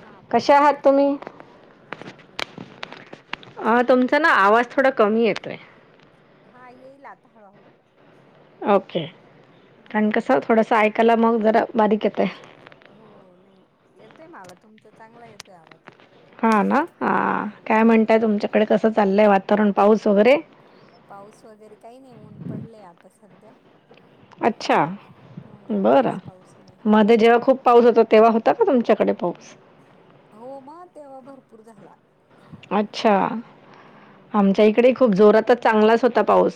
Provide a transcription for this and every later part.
हा बोला कशा आहात तुम्ही मजजेत मजेत तुम्ही अ तुमचा ना आवाज थोडा कमी येतो आहे हा ये लाात हळूहळू ओके हा कारण हा कस थोडस ऐकायला मग जरा बारीक येत आहे हो नाही येतोय मला तुमचा चांगला येतोय आवाज हा ना हा काय म्हणताय तुमच्याकडे कसं चाललंय वातावरण पाऊस वगैरे पाऊस वगैरे काही नाही ऊन पडलेय आता सध्या अच्छा हो ना बरं काहीच पाऊस नाही मध्ये जेव्हा खूप पाऊस होता तेव्हा होता का तुमच्याकडे पाऊस हो मग तेव्हा भरपूर झाला अच्छा हम्म आमच्या इकडे खूप जोरातच चांगलाच होता पाऊस.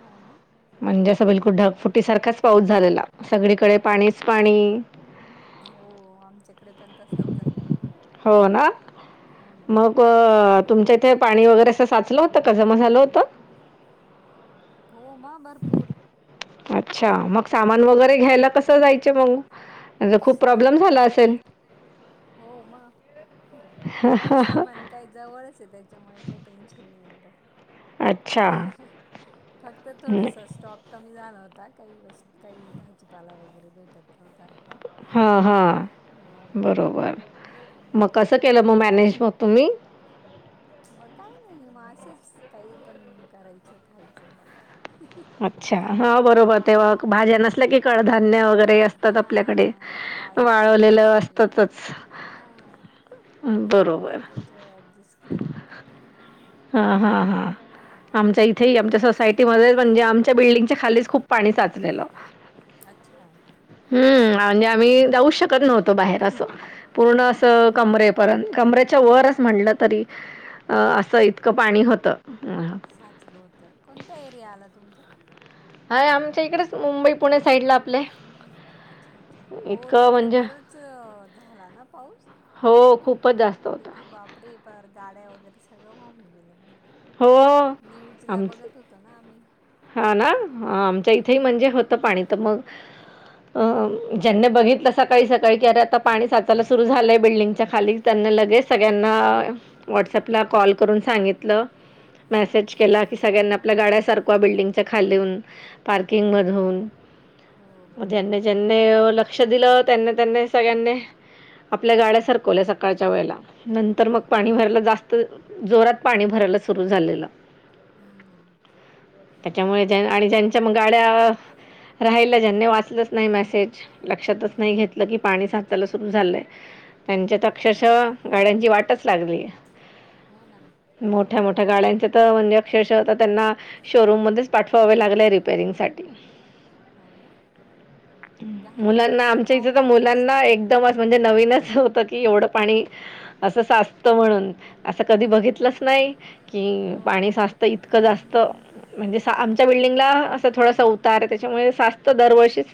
हो ना. म्हणजे अस बिलकुल ढग फुटीसारखाच पाऊस झालेला सगळीकडे पाणीच पाणी हो आमच्याकड पण तसाच झाला हो ना हो ना. प तुमच्या इथे पाणी वगैरे असं साचलं होतं का जमा झालं होतं. हो मग भरपूर अच्छा मग सामान हा वगैरे घ्यायला कसं जायचं मग म्हणजे खूप प्रॉब्लेम सामान झाला असेल वगैरे हो मग आम्हाला सामान काही जवळचे त्याच्यामुळे काही टेन्शन नाही एवढत अच्छा हं. फक्त थोडस स्टॉप कमी झाला होता काही वस् काही भाजीपाला वगैरे भेटत नव्हता. हा हा हा बरोबर मग कसं केलं म मॅनेज मग तुम्ही म काय नाही म असंच काही पण करायचं खायचं म काय अच्छा हा बरोबर हा तेव्हा भाज्या हा नसल्या की कडधान्य वगैरे असतात आपल्याकडे हा ते डाळी शाळी वाळवलेलं असतात ना. असतातच. हा हं बरोब त्याच्यावर ऍडजेस्ट केला म काय करणार हा हा हा हां आमच्या इथे आमच्या आणि सोसायटीमध्ये म्हणजे आमच्या बिल्डिंगच्या खालीच खूप पाणी साचलेलं. अच्छा हम्म हा म्हणजे आम्ही जाऊचं शकत नव्हतो बाहेर असं पूर्ण हम्म असं हम्म. कमरेपर्यंत कमरेच्या वरच म्हटलंत तरी अ असं इतकं पाणी होतं. हा हा साचलं होतं कोणता एरिया आला तुमचां हाय आमच्या इकडेच मुंबई पुणे साईडला आपले अच्छा अच्छा हो इतकं तिकडे म्हणजे बरच झाला ना पाऊस हो खूपच जास् किती बाबरे पार गाड्या वगैरे सगळं वाहून गेलं म्हणे हो, न्यूज ला बघत होतो ना आम्ही हा ना आमच्या इथे म्हणजे हम्म होतं पाणी त मग अ ज्यांनी बघितलं सकाळी सकाळी की अरे आता पाणी साचायला सुरू झालंय बिल्डिंगच्या खाली त्यांनी लगेच सगळ्यांना व्हॉट्सॲपला कॉल करून सांगितलं. हां मेसेज केला कि सगळ्यांना आपल्या गाड्या सरकवा बिल्डिंगच्या खालून पार्किंग हां हां मधून हो म बरोबर ज्यांनी बरोबर ज्यांनी लक्ष दिलं त्यांनी त्यांनी सगळ्यांनी आपल्या गाड्या सरकवल्या सकाळच्या वेळेला नंतर मग हां हां पाणी भरायल जास्त जोरात पाणी भरायला सुरू झालेलं. हम्म हम्म त्याच्यामुळे ज्या आणि ज्यांच्या म गाड्या राहिलं ज्यांनी वाचलंच नाही मेसेज लक्षातच नाही हम्म हम्म घेतलं की पाणी साचायला सुरू झालंय. हा त्यांच्या त अक्षरशः गाड्यांची वाटच लागली. हो ना मग मोठ्या गाड्याच्या हो म्हणजे अक्षरश आता त्यांना शोरूम मध्येच पाठवावे लागले रिपेरिंग साठी हो ना घाण वगैरे मुलांना पण आमच्या इथं वाहून तर आली असेल मुलांना खूप एकदमच म्हणजे नवीनच होतं की एवढं पाणी अस साचत म्हणून असं हो कधी का बघितलंच नाही. की हो ना पाणी साचत इतकं जास्त म्हणजे हा हा आमच्या बिल्डिंगला असं थोडासा उतार आहे त्याच्यामुळे जास्त दरवर्षीच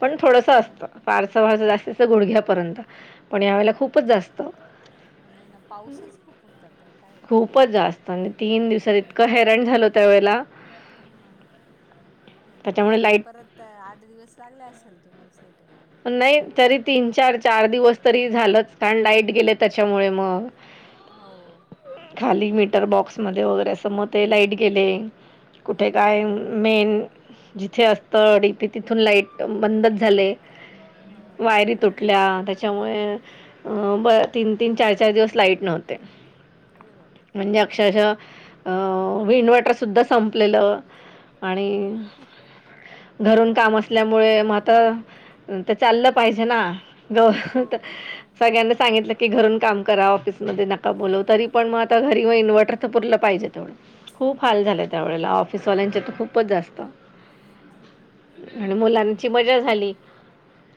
पण थोडस हा असतं फारसं वारस जास्तच गुडघ्यापर्यंत पण हा यावेेळेला हा खूपच जास्त हो नाही ना पाऊसच खूप होता तर काय? खूपच जास्त आणि तीन दिवसात हम्म इतकं हैरण झालं त्यावेळेला हा. मग तुम्हाला त्याच्यामुळे ते लाईट परत आठ दिवस लागले असाल तुम्हाला साित नाही तरी तीन चार चार दिवस तरी झालंच कारण लाईट गेले त्याच्यामुळे म हो. खाली मीटर बॉक्स मध्ये वगैरे अंस म ते लाईट गेले. हा कुठे काय मेन जिथे असत डीपी तिथून लाईट फोन बंदच झाले हां. वायरी तुटल्या त्याच्यामुळे अं ब तीन तीन चार चार दिवस लाईट नव्हते. अरे बाबडे- म्हणज अक्षशः विवट संप अरे घून का? मुळे म चाललं पाहिजे ना ग हो बरोबर आहे ना. सगळ्यांना सांगितलं की घरून काम करा ऑफिसमध्ये नका बोलव तरी पण मग आता घरी इन्व्हर्टर तरर पाहिजे तेवढ खूप हो हाल झाले बरोबर आहे. त्यावेळेला पिसवल्यांचे आ तर खूपच असता. होना. आणि मुलांची मजा झाली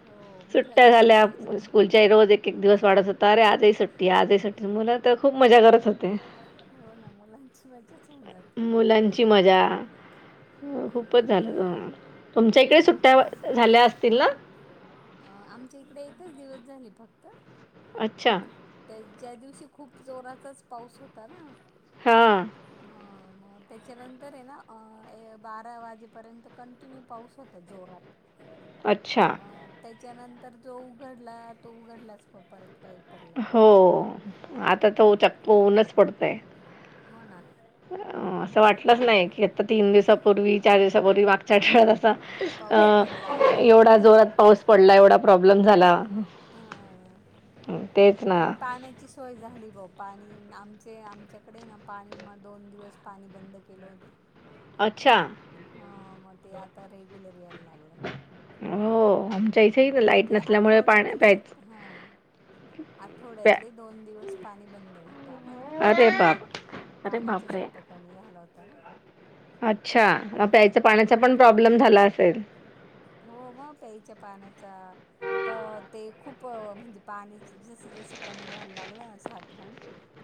हो सुट्ट्या मुलांची झाल्या. मजाच. स्कूलच्या रोज एक एक दिवस वाढत होता अे आजही सुट्टी आजही सुट्टी मुला तर खूप मजा करत. हो ना मुलांची मजाच होऊन जाते सुट्ट्या मुलांची असली. मजा खूपच झालं तुमच्या इकडे सुट्ट्या झाल्या असतील ना. आमच्या इकडे एकच दिवस झाली फक्त अच्छा. त्या ज्या दिवशी खूप जोराचाच पाऊस होता ना हां हा मग त्याच्यानंतर आहे ना बारा वाजेपर्यंत कंटिन्यू पाऊस होता जोरात अच्छा. मग त्याच्यानंतर जो उघडला तो उघडलाच मग परत काय? हो आता त चक्क ऊनच पडतंय. हो ना. असं वाटलंच नाही की आता तीन दिवसापूर्वी चार दिवसापूर्वी मागच्या आेळ अस. पाऊस अ पडला असं. एवढा जोरात पाऊस पडला एवढा प्रॉब्लेम झाला. हा. तेच ना. पण पान आची सोय झाली भा पाणी आमचे आमच्याकडे ना पाणी म दोन दिवस पाणी बंद केलं होते. अच्छा. हा मग ते आता रेग्युलर यायला लागलं. हो आमच्या इथेही ना हम्म लाईट म्हणजे नसल्यामुळे पाणी आठवड्यातले प्यायचं. हां प्या आठवड्यातले दोन दिवस पाणी बंद होतं आम्हाला अरे पा पाण्याचा साठा कमी झाला होता ना. अच्छा म मग ते प्यायचा पाण्याचा पुरवून पण प्रॉब्लेम पुरवून झाला असेल. हो मग प्यायच्या पाण्याचा प ते खूप म्हणजे पाणी जसं जसं कमी व्हायला लागलं ना साठवण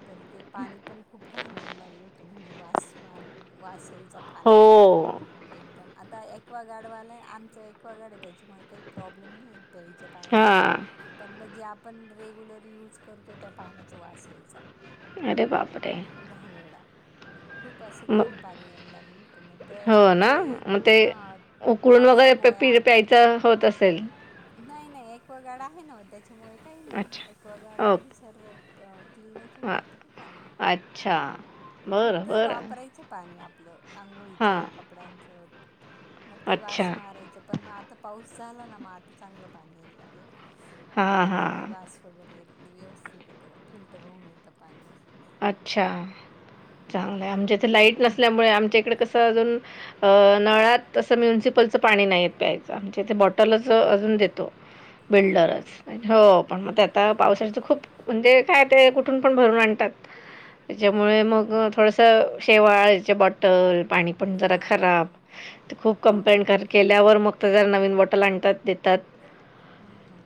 तर ते पाणी पण खूप घाण्यायला लागलं होतं म्हणजे वास मार वासयचा पाण्याचा हो. एकदम आता क्वागार्डवाल्या आमचं एक्वागार्ड आहे त्याच्यामुळे काही प्रॉब्लेम नाही प्यायच्या. पाण्या हां. पण मग जे आपण रेग्युलर युज करतो त्या पाण्याचा वास यायचा. अर बापर. घाण येडा खूप असं घाण पाणी यायला लागल. त्या हो ना ते मग ते हा उकळून वगैरे प पावसामुळे पि आता प्यायचं होत असेल नाही नाही एक्वागार्ड आहे ना त्याच्यामुळे काही नाही एकक्वागार्ड अच्छा मध्ये ओके सर्व क्लीनच होऊन हां येतं का पाणी अच्छा बरं फक्त बरं वापरायचं पाणी आपलं हां आंघोळीचं, कपड्यांचं मग ते अच्छा वास मारायचं पण मग आता पाऊस झाला ना मग आता चांगलं पाणी यायला लागलं. हां आता काही हां वास वगैरे येत नाही व्यवस्थित येत फिल्टर होऊन येतं पाणी असं. अच्छा हम्म हम्म चांगलं आहे आमच्या लाईट नसल्यामुळे आमच्याकडे कस अजून नळात चं पाणी नाहीेत प्यायचं आमच्या तेे बॉटलच अजून देतो. हो का फिल्टरच हो पण मग आता अरे बापरे पावसाळ्याच खूप म्हणजे काय ते कुठून पण भरून आणतात. हां त्याच्यामुळे हां. मग थोडस शेवाळचे बॉटल पाणी पण जरा हां खराब हां खूप हां. कंप्लेंट केल्यावर मग त्या जर नवीन बॉटल आणतात देतात. हां हां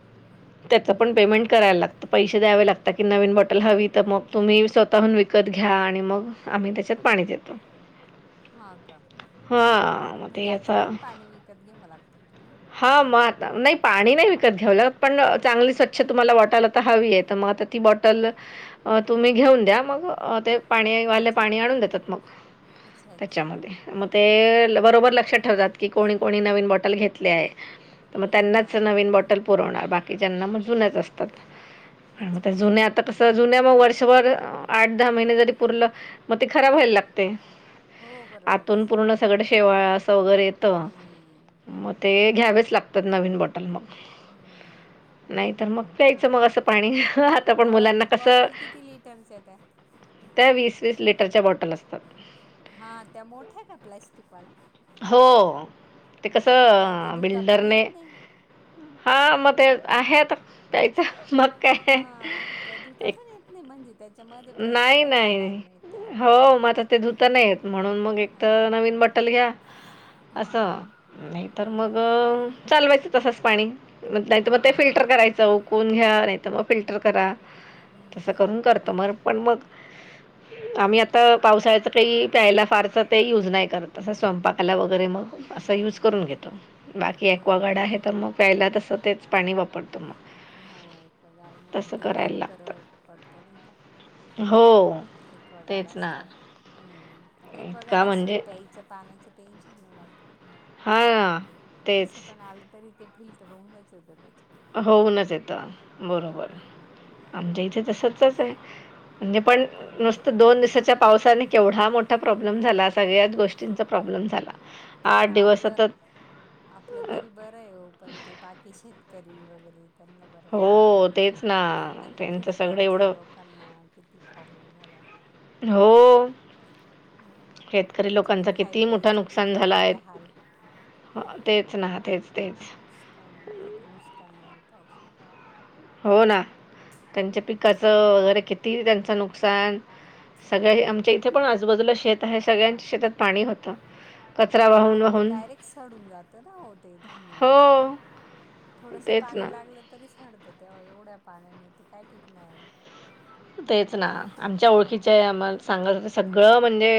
त्याच पण अरे पेमेंट बापरे. करायला लागत. पैसे द्यावे लागतात की नवीन बॉटल हवी तर मग तुम्ही स्वतःहून विकत घ्या आणि मग आम्ही त्याच्यात पाणी देतो हा का हां मग म्हणजे ते आता याचा पण पाणी विकत घ्यावं लागतं का तुम्हाला हा मग नाही पाणी नाही विकत घेवलं पण चांगली स्वच्छ तुम्हाला वाटायला तर हवी आहे मग बॉटल अ, तुम्ही घेऊन द्या मग ते पा वाले अच्छा. पाणी आणून देतात मग अच्छा अच्छा त्याच्यामध्ये मग ते बरोबर लक्षात ठेवतात कोणी कोणी नवीन बॉटल घेतले, मग हां त्यांनाच हां. नवीन बॉटल बॉटल पूरवणार, बाकीच्यांना मग जुन्याच असतात, अच्छा आता अच्छा जुन्या कसं आत्ता वर्षभर वर्षभर आठ दहा महिने जरी पूरल मग ते खराब व्हायला लागते. हो बरोबर आतून पूर्ण सगळ शेवाळ असं वगैरे येत हम्म म ते घ्यावेच लागतात नवीन बॉटल मग हम्म नाही तर मग प्यायचं मग असं पाणी आता पण बॉ मुलांना कसं बॉटल किती लिटर च येते त्या वीस वीस लिटरच्या बॉटल असतात. हा त्या मोठ्या का प्लॅस्टिकवाल्या हो ते हां त्या तर कसं धुता पण बिल्डरने येत नाही. हा मग ते आहेत प्यायचं मग काय हा त्या धुता एक पण येत नाही म्हणजे त्या त्याच्यामध्ये ब्रश नाही पण जाणार नाही हो तोंडात. मग आता ते धुता नाहीेत म्हणून मग एक तर हां नवीन बॉटल घ्या. असं हम्म नाही तर हो ना. मग चालवायचं तसंच पाणी नाहीत मग ते हो. फिल्टर करायचं उकळवून घ्या नाहीत मग फिल्टर करा हम्म तस करुन हम्म. करतो, पण मग तर पावसाळचं काही प्यायला फारचं ते यूज नाही करत असं स्वयंपाकाला वगैरे मग हो असं यूज हो. करून घेतो बाकी हो ॲक्वागार्ड आहे बरोबर. तर मग प्यायला तसं तेच पाणी वापरतो मग. हो ऍकवागार्डमुळे तसं ते करायला तरी बर लागतं पडतं नाही का हो ऍकवागार्ड तेच ना असल्यावर हम्म ऍकवागार्ड इतका म्हणजे असल्यावर प्यायचं पाण्याचं टेन्शन नाही रहात, हा ना कस तेच पण आलं तरी ते फिल्टर होऊनच येतं त्याच्यात. होऊनच येतं बरोबर हम्म. आमच्या इथे तसच आहे. म्हणजे पण नुसतं दोन दिवसाच्या पावसाने केवढा मोठा मोठा प्रॉब्लेम झाला सगळ्याच गोष्टींचा प्रॉब्लेम झाला. हो आठ ना दिवस आपलं सतत आपलं तरी बरं आहे हो पण ते बाकी शेतकरी वगैरे त्यांना बराच हो प्रॉब्लेम तेच झाला. ना आणि त्यांचं सगळं खेड्यापाड्यातले एवढं लोकांना किती प्रॉब्लेम झाला. हो मग शेतकरी त्यांचे तर लोकांच खाय किती मोठं प्यायचे नुकसान झालं आहे. बिचाऱ्यांचे हाल हो तेच ना तेच तेच नुसकान किती नुकसान झाले पावसात. हो ना. त्यांच्या हम्म पिकाचं वगैरे किती त्यांचं नुकसान सगळ्या हम्म. आमच्या इथे पण आजूबाजूला शेत आहे सगळ्यांच्या शेतात पाणी होतं. कचरा हो वाहून आओ ते वाहून डायरेक्ट सडून जात राह ते धान्य मग. हो थोडस तेच ना पाणी लागलं तरी सडत. तर तेव्हा एवढ्या पाण्याने ते काय टिकणार आहे. तेच ना आमच्या ओळखीच् हम्म. मग सांगा सगळं म्हणजे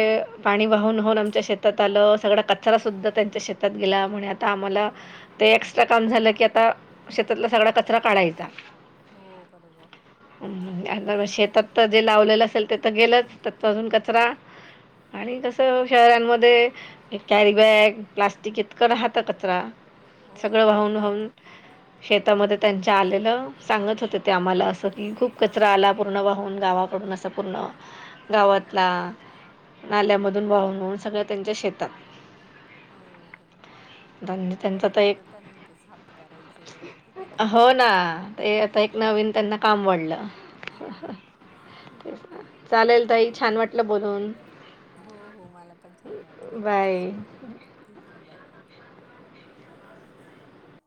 पाणी वाहून वाहून आमच्या शेतात आलं सगळं. कचरा सुद्धा त्यांच्या शेतात गेला म्हणे आता आम्हाला हम्म ते एक्स्ट्रा काम झालं की आता, शेतातला सगळा कचरा काढायचा. हो बरोबर ज शेतात तर जे लावलेलं असेल ते तर गेलंच तर अजून कचरा आणि कस शहरांमध्ये कॅरी बॅग प्लास्टिक इतकं राहता कचरा सगळं हो खूप वाहून राहतात वाहून शेतामध्ये त्यांच्या आलेलं सांगत होते ते आम्हाला असं कि खूप कचरा हो आला. पूर्ण गावाकडून असं पूर्ण हो ना गावातला नाल्यामधून वाहून वाहून सगळ त्यांच्या शेतात. हो बरोबर. धन्य परत आता त्यांनी ते साप करायचं एवढं क ति टेन्शन. आ एक नवीन त्यांना काम वाढलं. हो ना ते चालेल ताई छान वाटलं बोलून. हो हो मला पण छान वाटलं तुमच्याशी बाय बोलून, ठीक आहे बाय. ब कोण?